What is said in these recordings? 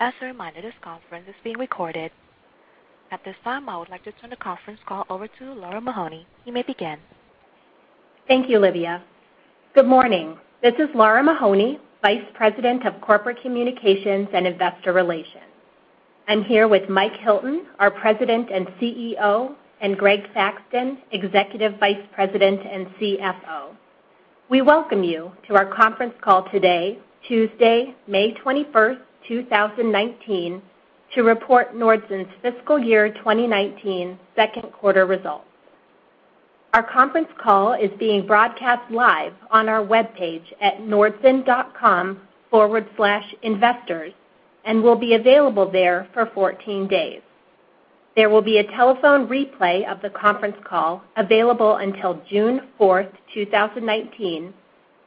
As a reminder, this conference is being recorded. At this time, I would like to turn the conference call over to Lara Mahoney. You may begin. Thank you, Livia. Good morning. This is Lara Mahoney, Vice President of Corporate Communications and Investor Relations. I'm here with Mike Hilton, our President and CEO, and Greg Thaxton, Executive Vice President and CFO. We welcome you to our conference call today, Tuesday, May 21, 2019, to report Nordson's fiscal year 2019 second quarter results. Our conference call is being broadcast live on our webpage at nordson.com/investors and will be available there for 14 days. There will be a telephone replay of the conference call available until June 4, 2019,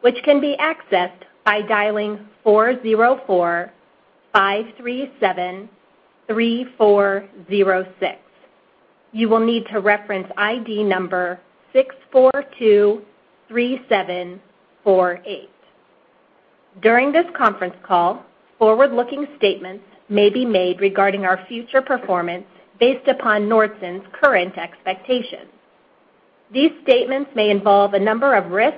which can be accessed by dialing 404-537-3406. You will need to reference ID number 6423748. During this conference call, forward-looking statements may be made regarding our future performance based upon Nordson's current expectations. These statements may involve a number of risks,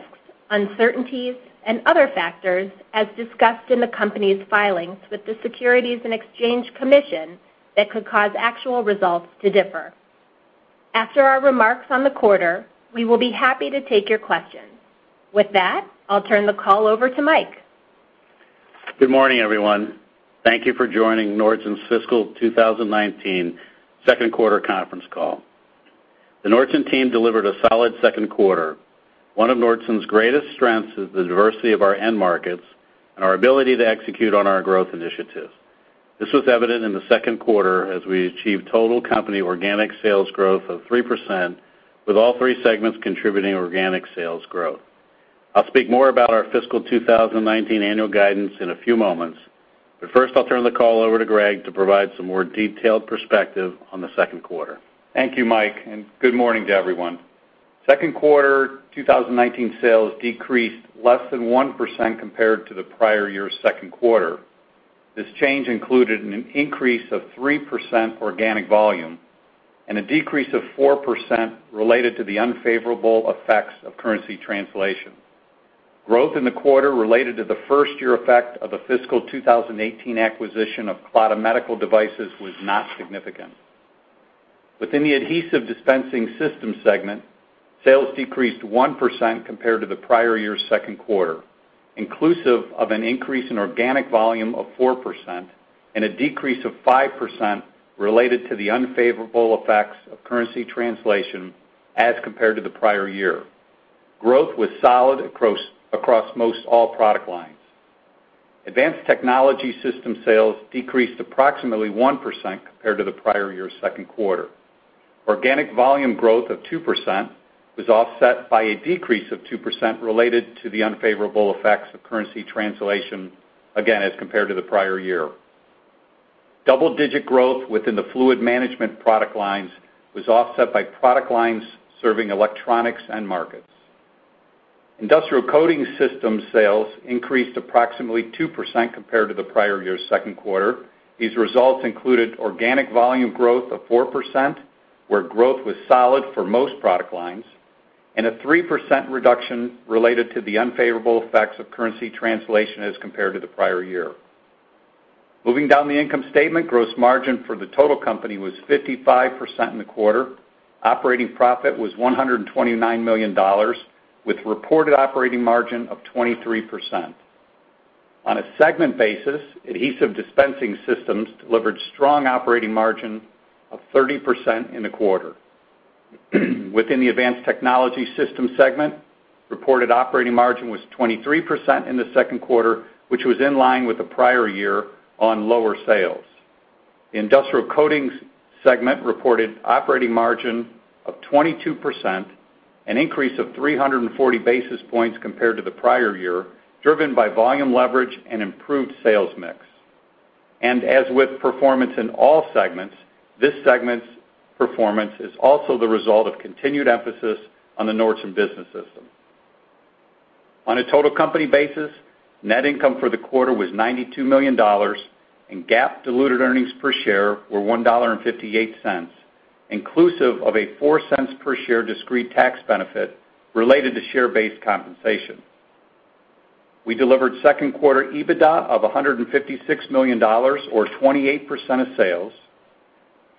uncertainties, and other factors, as discussed in the company's filings with the Securities and Exchange Commission that could cause actual results to differ. After our remarks on the quarter, we will be happy to take your questions. With that, I'll turn the call over to Mike. Good morning, everyone. Thank you for joining Nordson's fiscal 2019 second quarter conference call. The Nordson team delivered a solid second quarter. One of Nordson's greatest strengths is the diversity of our end markets and our ability to execute on our growth initiatives. This was evident in the second quarter as we achieved total company organic sales growth of 3%, with all three segments contributing organic sales growth. I'll speak more about our fiscal 2019 annual guidance in a few moments, but first, I'll turn the call over to Greg to provide some more detailed perspective on the second quarter. Thank you, Mike, and good morning to everyone. Second quarter 2019 sales decreased less than 1% compared to the prior year's second quarter. This change included an increase of 3% organic volume and a decrease of 4% related to the unfavorable effects of currency translation. Growth in the quarter related to the first year effect of the fiscal 2018 acquisition of Clada Medical Devices was not significant. Within the Adhesive Dispensing System segment, sales decreased 1% compared to the prior year's second quarter, inclusive of an increase in organic volume of 4% and a decrease of 5% related to the unfavorable effects of currency translation as compared to the prior year. Growth was solid across most all product lines. Advanced Technology System sales decreased approximately 1% compared to the prior year's second quarter. Organic volume growth of 2% was offset by a decrease of 2% related to the unfavorable effects of currency translation, again, as compared to the prior year. Double-digit growth within the Fluid Management product lines was offset by product lines serving electronics end markets. Industrial Coating Systems sales increased approximately 2% compared to the prior year's second quarter. These results included organic volume growth of 4%, where growth was solid for most product lines, and a 3% reduction related to the unfavorable effects of currency translation as compared to the prior year. Moving down the income statement, gross margin for the total company was 55% in the quarter. Operating profit was $129 million with reported operating margin of 23%. On a segment basis, Adhesive Dispensing Systems delivered strong operating margin of 30% in the quarter. Within the Advanced Technology Systems segment, reported operating margin was 23% in the second quarter, which was in line with the prior year on lower sales. Industrial Coating Systems segment reported operating margin of 22%, an increase of 340 basis points compared to the prior year, driven by volume leverage and improved sales mix. As with performance in all segments, this segment's performance is also the result of continued emphasis on the Nordson Business System. On a total company basis, net income for the quarter was $92 million, and GAAP diluted earnings per share were $1.58, inclusive of a $0.04 per share discrete tax benefit related to share-based compensation. We delivered second quarter EBITDA of $156 million or 28% of sales.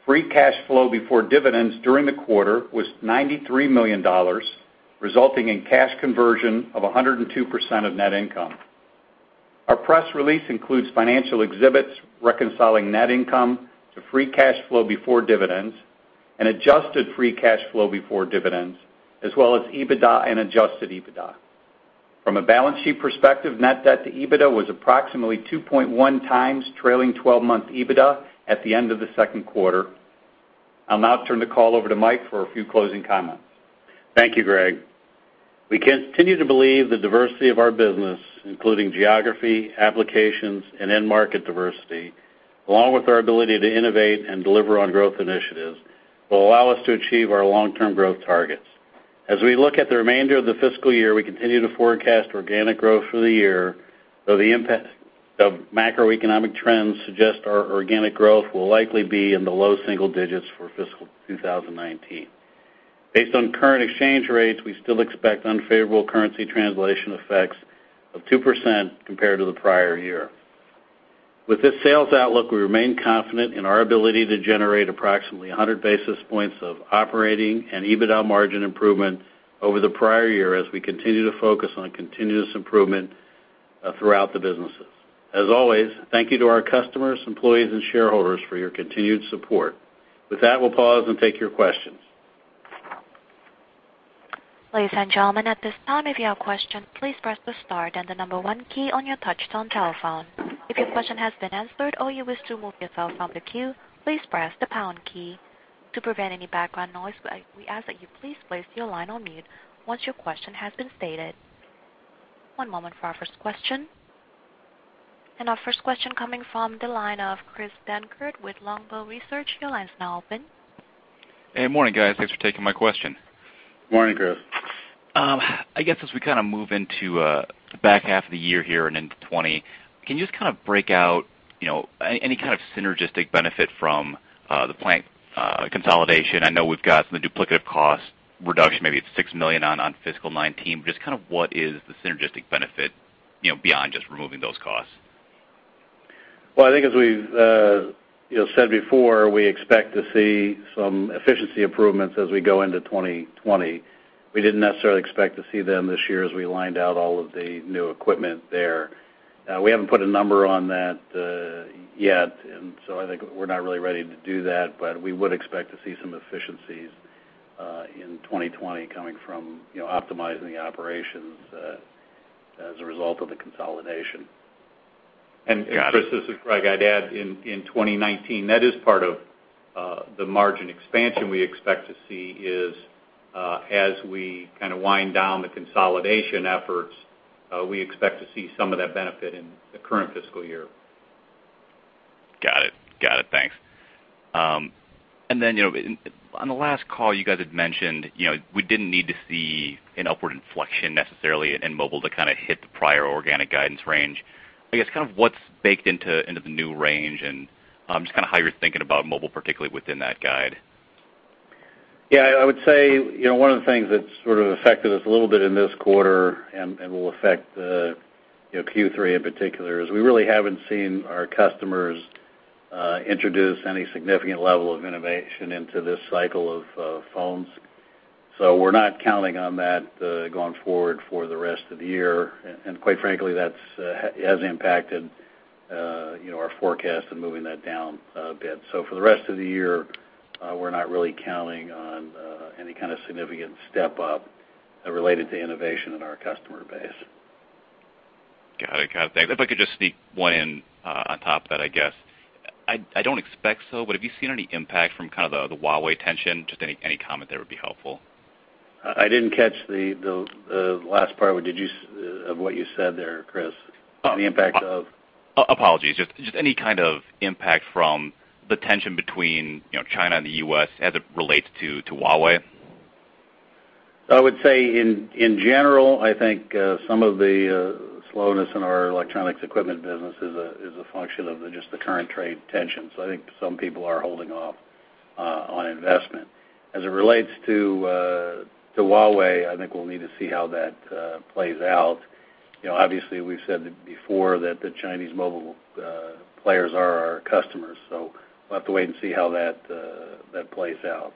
Free cash flow before dividends during the quarter was $93 million, resulting in cash conversion of 102% of net income. Our press release includes financial exhibits reconciling net income to free cash flow before dividends and adjusted free cash flow before dividends, as well as EBITDA and adjusted EBITDA. From a balance sheet perspective, net debt to EBITDA was approximately 2.1x trailing 12-month EBITDA at the end of the second quarter. I'll now turn the call over to Mike for a few closing comments. Thank you, Greg. We continue to believe the diversity of our business, including geography, applications, and end market diversity, along with our ability to innovate and deliver on growth initiatives, will allow us to achieve our long-term growth targets. As we look at the remainder of the fiscal year, we continue to forecast organic growth for the year, though the impact of macroeconomic trends suggest our organic growth will likely be in the low single digits for fiscal 2019. Based on current exchange rates, we still expect unfavorable currency translation effects of 2% compared to the prior year. With this sales outlook, we remain confident in our ability to generate approximately 100 basis points of operating and EBITDA margin improvement over the prior year as we continue to focus on continuous improvement throughout the businesses. As always, thank you to our customers, employees, and shareholders for your continued support. With that, we'll pause and take your questions. Ladies and gentlemen, at this time, if you have questions, please press the star then the number one key on your touchtone telephone. If your question has been answered or you wish to remove yourself from the queue, please press the pound key. To prevent any background noise, we ask that you please place your line on mute once your question has been stated. One moment for our first question. Our first question coming from the line of Chris Dankert with Longbow Research, your line is now open. Hey, morning, guys. Thanks for taking my question. Morning, Chris. I guess as we kinda move into the back half of the year here and into 2020, can you just kind of break out, you know, any kind of synergistic benefit from the plant consolidation? I know we've got some duplicative cost reduction, maybe it's $6 million on fiscal 2019. Just kind of what is the synergistic benefit, you know, beyond just removing those costs? I think as we've, you know, said before, we expect to see some efficiency improvements as we go into 2020. We didn't necessarily expect to see them this year as we lined out all of the new equipment there. We haven't put a number on that yet, and so I think we're not really ready to do that. We would expect to see some efficiencies in 2020 coming from, you know, optimizing the operations as a result of the consolidation. Chris, this is Greg. I'd add in 2019, that is part of the margin expansion we expect to see as we kinda wind down the consolidation efforts, we expect to see some of that benefit in the current fiscal year. Got it. Thanks. On the last call, you guys had mentioned, you know, we didn't need to see an upward inflection necessarily in mobile to kinda hit the prior organic guidance range. I guess, kind of what's baked into the new range? Just kinda how you're thinking about mobile, particularly within that guide? Yeah, I would say, you know, one of the things that sort of affected us a little bit in this quarter and will affect the, you know, Q3 in particular is we really haven't seen our customers introduce any significant level of innovation into this cycle of phones. So we're not counting on that going forward for the rest of the year. And quite frankly, that has impacted our forecast in moving that down a bit. So for the rest of the year, we're not really counting on any kind of significant step up related to innovation in our customer base. Got it. Thanks. If I could just sneak one in on top of that, I guess. I don't expect so, but have you seen any impact from kind of the Huawei tension? Just any comment there would be helpful. I didn't catch the last part. What did you say of what you said there, Chris. Oh. The impact of? Apologies. Just any kind of impact from the tension between, you know, China and the U.S. as it relates to Huawei? I would say in general, I think some of the slowness in our electronics equipment business is a function of just the current trade tensions. I think some people are holding off on investment. As it relates to Huawei, I think we'll need to see how that plays out. You know, obviously, we've said it before that the Chinese mobile players are our customers, so we'll have to wait and see how that plays out.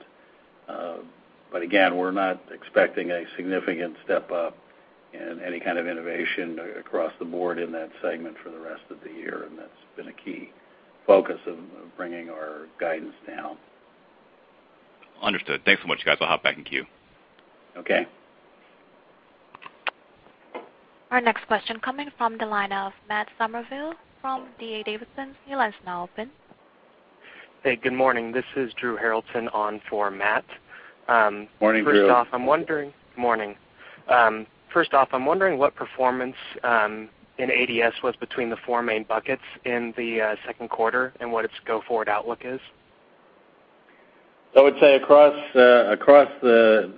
But again, we're not expecting a significant step up in any kind of innovation across the board in that segment for the rest of the year, and that's been a key focus of bringing our guidance down. Understood. Thanks so much, guys. I'll hop back in queue. Okay. Our next question coming from the line of Matt Summerville from D.A. Davidson, your line's now open. Hey, good morning. This is Drew Haroldson on for Matt. Morning, Drew. First off, I'm wondering what performance in ADS was between the four main buckets in the second quarter and what its go-forward outlook is. I would say across the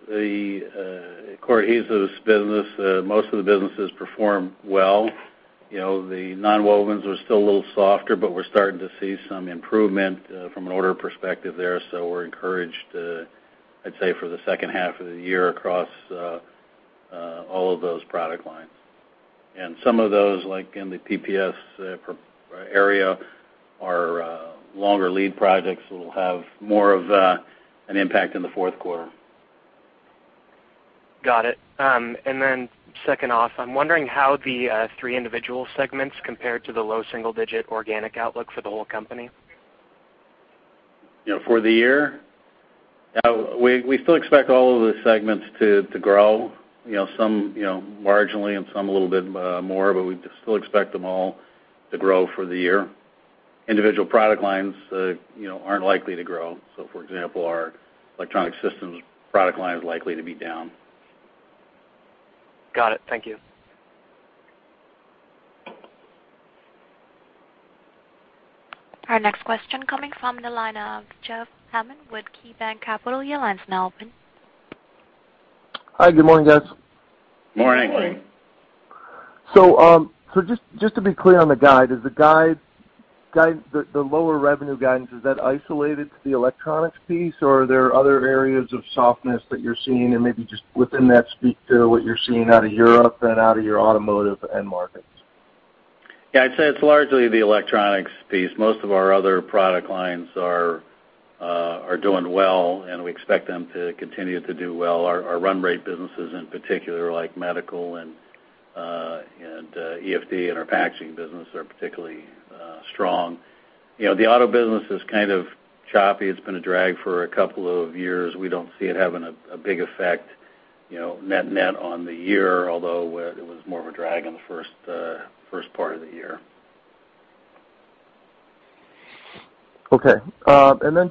core ADS business, most of the businesses performed well. You know, the Nonwovens were still a little softer, but we're starting to see some improvement from an order perspective there. We're encouraged, I'd say, for the second half of the year across all of those product lines. Some of those, like in the PPS area, are longer lead projects, so will have more of an impact in the fourth quarter. Got it. Second off, I'm wondering how the three individual segments compared to the low single digit organic outlook for the whole company? You know, for the year. We still expect all of the segments to grow. You know, some you know marginally and some a little bit more, but we still expect them all to grow for the year. Individual product lines you know aren't likely to grow. For example, our electronic systems product line is likely to be down. Got it. Thank you. Our next question coming from the line of Jeff Hammond with KeyBanc Capital Markets. Your line's now open. Hi, good morning, guys. Good morning. Just to be clear on the guide, is the lower revenue guidance isolated to the electronics piece? Or are there other areas of softness that you're seeing? Maybe just within that, speak to what you're seeing out of Europe and out of your automotive end markets? Yeah, I'd say it's largely the electronics piece. Most of our other product lines are doing well, and we expect them to continue to do well. Our run rate businesses in particular, like medical and EFD and our packaging business are particularly strong. You know, the auto business is kind of choppy. It's been a drag for a couple of years. We don't see it having a big effect, you know, net-net on the year, although it was more of a drag in the first part of the year.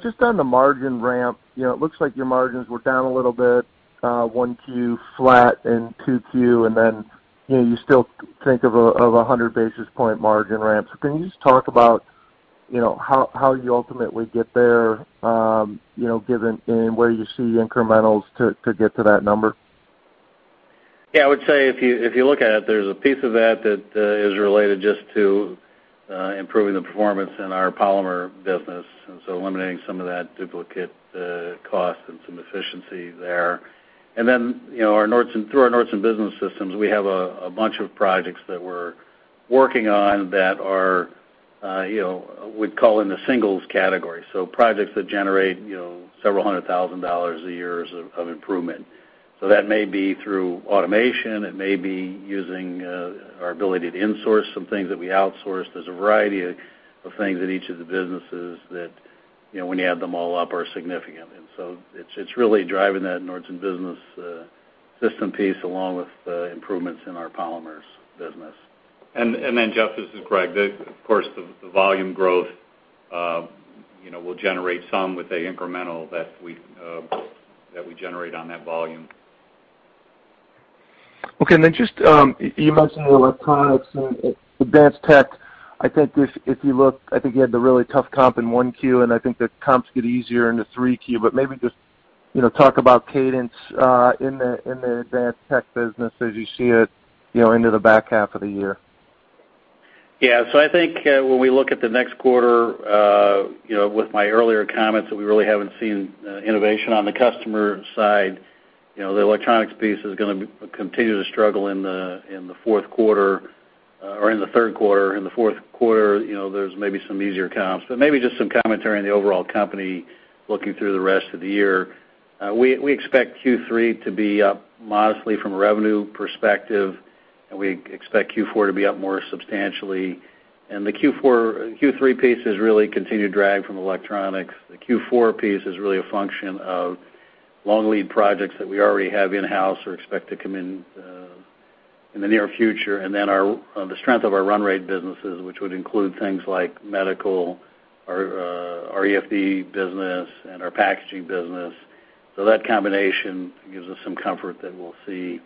Just on the margin ramp, you know, it looks like your margins were down a little bit, 1Q flat and 2Q, and then, you know, you still think of a 100 basis point margin ramp. Can you just talk about, you know, how you ultimately get there, you know, given and where you see incrementals to get to that number? Yeah, I would say if you look at it, there's a piece of that that is related just to improving the performance in our polymer business, and so eliminating some of that duplicate cost and some efficiency there. You know, our Nordson through our Nordson Business System, we have a bunch of projects that we're working on that are, you know, we'd call in the singles category, so projects that generate, you know, several $100,000 a year of improvement. That may be through automation, it may be using our ability to insource some things that we outsourced. There's a variety of things at each of the businesses that, you know, when you add them all up, are significant. It's really driving that Nordson Business System piece along with improvements in our polymers business. Jeff, this is Greg. Of course, the volume growth, you know, will generate some with the incremental that we generate on that volume. Okay. Then just, you mentioned the electronics and advanced tech. I think if you look, I think you had the really tough comp in 1Q, and I think the comps get easier into 3Q. Maybe just, you know, talk about cadence in the advanced tech business as you see it, you know, into the back half of the year? Yeah. I think when we look at the next quarter, you know, with my earlier comments that we really haven't seen innovation on the customer side, you know, the electronics piece is gonna continue to struggle in the fourth quarter or in the third quarter. In the fourth quarter, you know, there's maybe some easier comps. Maybe just some commentary on the overall company looking through the rest of the year. We expect Q3 to be up modestly from a revenue perspective, and we expect Q4 to be up more substantially. The Q4, Q3 piece has really continued to drag from electronics. The Q4 piece is really a function of long lead projects that we already have in-house or expect to come in in the near future. On the strength of our run rate businesses, which would include things like medical, our EFD business and our packaging business. That combination gives us some comfort that we'll see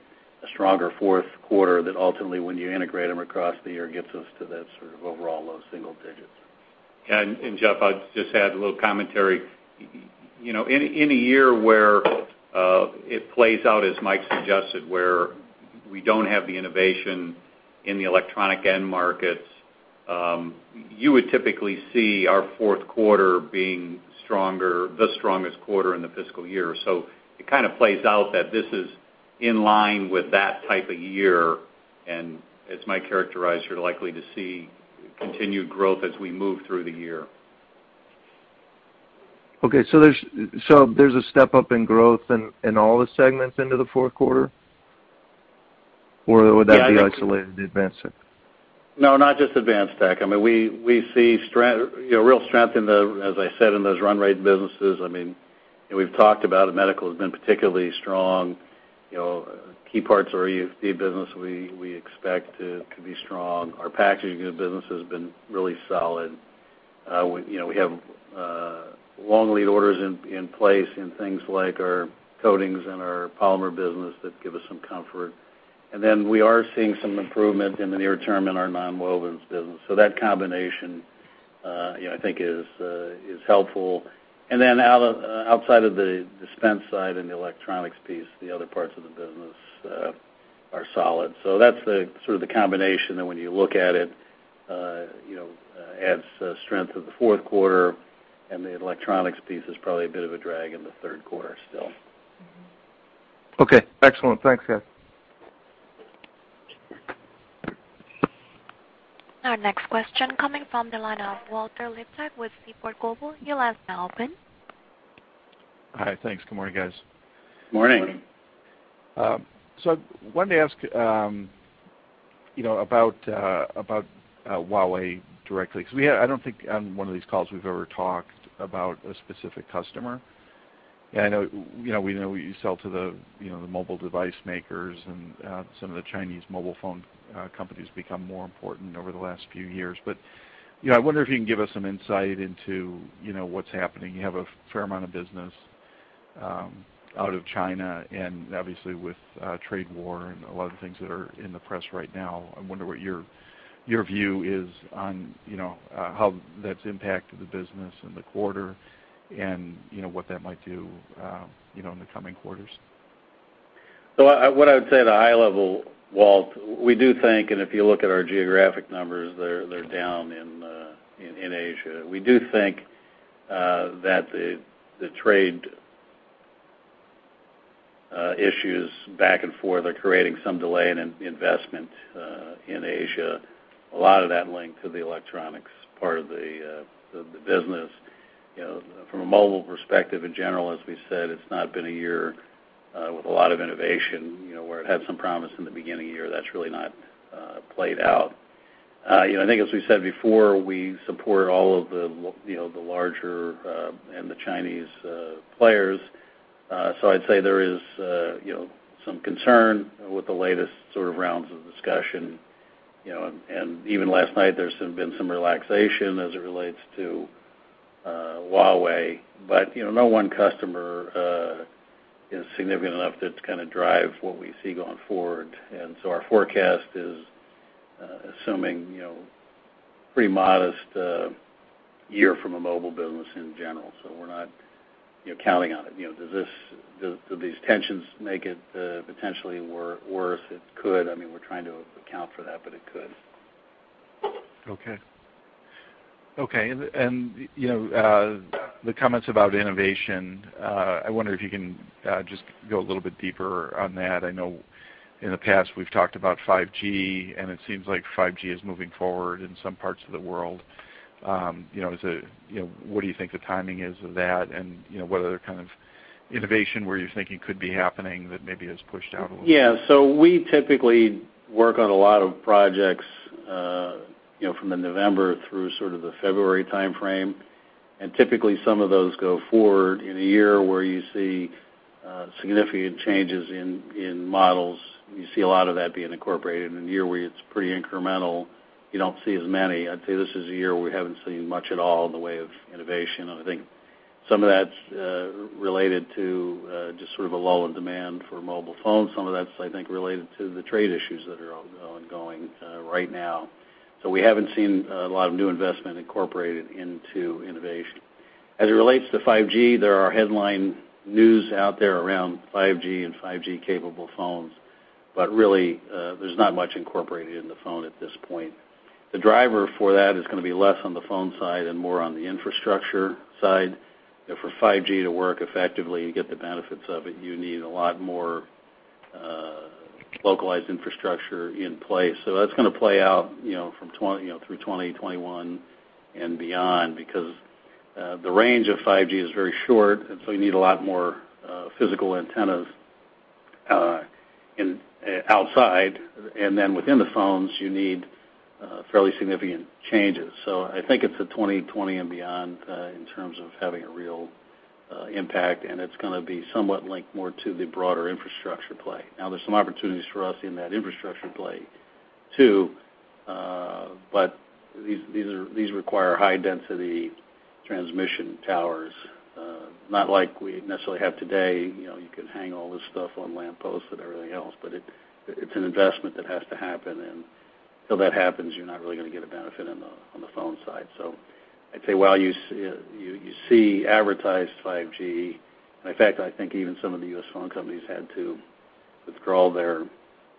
a stronger fourth quarter that ultimately, when you integrate them across the year, gets us to that sort of overall low single digits. Jeff, I'd just add a little commentary. You know, in a year where it plays out as Mike suggested, where we don't have the innovation in the electronic end markets, you would typically see our fourth quarter being stronger, the strongest quarter in the fiscal year. It kind of plays out that this is in line with that type of year. As Mike characterized, you're likely to see continued growth as we move through the year. Okay, there's a step-up in growth in all the segments into the fourth quarter? Or would that be isolated to advanced tech? No, not just advanced tech. I mean, we see strength, you know, real strength in the, as I said, in those run rate businesses. I mean, you know, we've talked about it. Medical has been particularly strong. You know, key parts of our EFD business, we expect to be strong. Our packaging business has been really solid. We, you know, we have long lead orders in place in things like our coatings and our polymer business that give us some comfort. We are seeing some improvement in the near term in our Nonwovens business. That combination, you know, I think is helpful. Outside of the dispense side and the electronics piece, the other parts of the business are solid. That's the sort of combination that when you look at it, you know, adds strength to the fourth quarter, and the electronics piece is probably a bit of a drag in the third quarter still. Okay. Excellent. Thanks, guys. Our next question coming from the line of Walter Liptak with Seaport Global. Your line's now open. Hi. Thanks. Good morning, guys. Morning. Morning. I wanted to ask, you know, about Huawei directly, 'cause I don't think on one of these calls we've ever talked about a specific customer. I know, you know, we know you sell to the, you know, the mobile device makers, and some of the Chinese mobile phone companies become more important over the last few years. I wonder if you can give us some insight into, you know, what's happening. You have a fair amount of business out of China and obviously with trade war and a lot of things that are in the press right now, I wonder what your view is on, you know, how that's impacted the business and the quarter and you know, what that might do, you know, in the coming quarters? What I would say at a high level, Walt, we do think and if you look at our geographic numbers, they're down in Asia. We do think that the trade issues back and forth are creating some delay in investment in Asia, a lot of that linked to the electronics part of the business. You know, from a mobile perspective in general, as we said, it's not been a year with a lot of innovation, you know, where it had some promise in the beginning of the year that's really not played out. You know, I think as we said before, we support all of the larger, you know, and the Chinese players. I'd say there is, you know, some concern with the latest sort of rounds of discussion, you know, and even last night there's been some relaxation as it relates to Huawei. But, you know, no one customer is significant enough that's gonna drive what we see going forward. Our forecast is assuming, you know, pretty modest year from a mobile business in general. We're not, you know, counting on it. You know, does this do these tensions make it potentially worse? It could. I mean, we're trying to account for that, but it could. Okay. You know, the comments about innovation, I wonder if you can just go a little bit deeper on that. I know in the past we've talked about 5G, and it seems like 5G is moving forward in some parts of the world. You know, is it, you know, what do you think the timing is of that? You know, what other kind of innovation were you thinking could be happening that maybe is pushed out a little? Yeah. We typically work on a lot of projects, you know, from the November through sort of the February timeframe. Typically some of those go forward in a year where you see significant changes in models. You see a lot of that being incorporated in a year where it's pretty incremental, you don't see as many. I'd say this is a year where we haven't seen much at all in the way of innovation. I think some of that's related to just sort of a lull of demand for mobile phones. Some of that's, I think, related to the trade issues that are ongoing right now. We haven't seen a lot of new investment incorporated into innovation. As it relates to 5G, there are headline news out there around 5G and 5G capable phones, but really, there's not much incorporated in the phone at this point. The driver for that is gonna be less on the phone side and more on the infrastructure side. For 5G to work effectively, to get the benefits of it, you need a lot more localized infrastructure in place. That's gonna play out, you know, from 2020 through 2020, 2021 and beyond because the range of 5G is very short, and so you need a lot more physical antennas in and outside. Then within the phones, you need fairly significant changes. I think it's 2020 and beyond in terms of having a real impact, and it's gonna be somewhat linked more to the broader infrastructure play. Now, there's some opportunities for us in that infrastructure play too, but these require high density transmission towers. Not like we necessarily have today. You know, you can hang all this stuff on lampposts and everything else, but it's an investment that has to happen. Until that happens, you're not really gonna get a benefit on the phone side. I'd say while you see advertised 5G, and in fact, I think even some of the U.S. phone companies had to withdraw their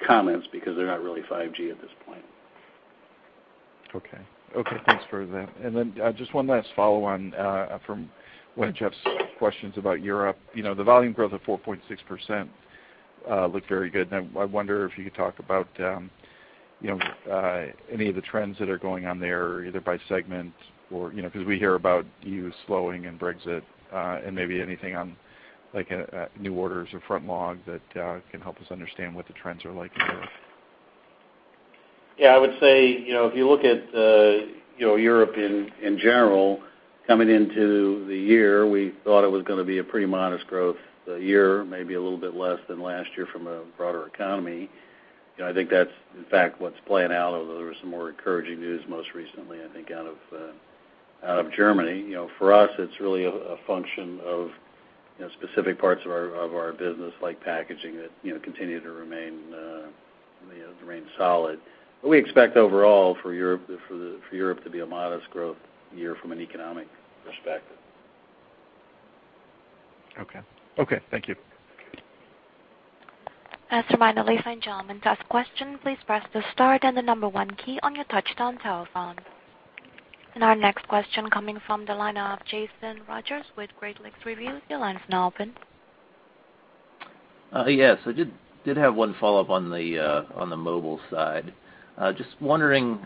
comments because they're not really 5G at this point. Okay, thanks for that. Just one last follow on from one of Jeff's questions about Europe. You know, the volume growth of 4.6% looked very good. I wonder if you could talk about, you know, any of the trends that are going on there, either by segment or, you know, 'cause we hear about EU slowing and Brexit, and maybe anything on like new orders or backlog that can help us understand what the trends are like in Europe? Yeah. I would say, you know, if you look at, you know, Europe in general, coming into the year, we thought it was gonna be a pretty modest growth year, maybe a little bit less than last year from a broader economy. You know, I think that's in fact what's playing out, although there was some more encouraging news most recently, I think, out of Germany. You know, for us, it's really a function of, you know, specific parts of our business like packaging that, you know, continue to remain solid. But we expect overall for Europe to be a modest growth year from an economic perspective. Okay. Okay, thank you. As a reminder, ladies and gentlemen, to ask questions, please press the star then the number one key on your touchtone telephone. Our next question coming from the line of Jason Rogers with Great Lakes Review, your line's now open. Yes, I did have one follow-up on the mobile side. Just wondering,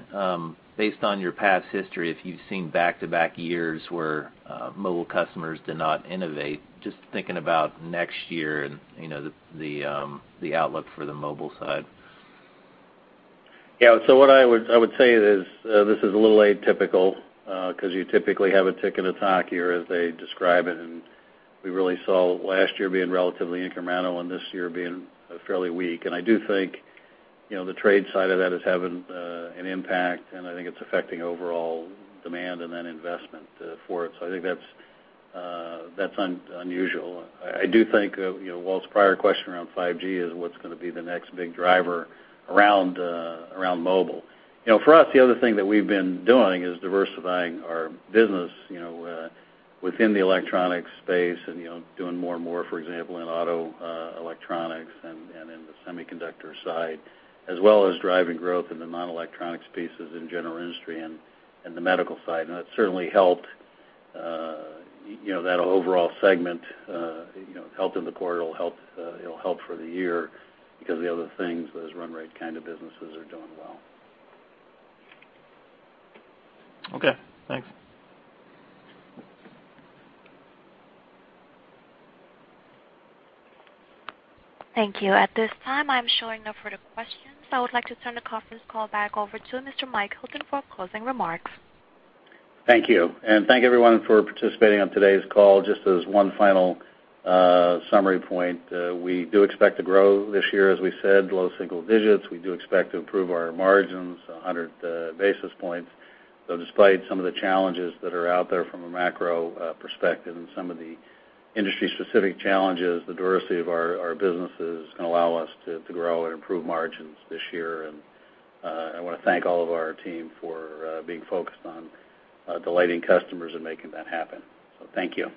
based on your past history, if you've seen back-to-back years where mobile customers did not innovate, just thinking about next year and, you know, the outlook for the mobile side. Yeah. What I would say is this is a little atypical, 'cause you typically have a tick and a tock year as they describe it, and we really saw last year being relatively incremental and this year being fairly weak. I do think, you know, the trade side of that is having an impact, and I think it's affecting overall demand and then investment for it. I think that's unusual. I do think, you know, Walt's prior question around 5G is what's gonna be the next big driver around mobile. You know, for us, the other thing that we've been doing is diversifying our business, you know, within the electronic space and, you know, doing more and more, for example, in auto electronics and in the semiconductor side, as well as driving growth in the non-electronics pieces in general industry and the medical side. That certainly helped, you know, that overall segment, you know, helped in the quarter. It'll help for the year because the other things, those run rate kind of businesses are doing well. Okay, thanks. Thank you. At this time, I'm showing no further questions. I would like to turn the conference call back over to Mr. Mike Hilton for closing remarks. Thank you. Thank everyone for participating on today's call. Just as one final summary point, we do expect to grow this year, as we said, low single digits. We do expect to improve our margins 100 basis points. Despite some of the challenges that are out there from a macro perspective and some of the industry specific challenges, the diversity of our businesses can allow us to grow and improve margins this year. I wanna thank all of our team for being focused on delighting customers and making that happen. Thank you.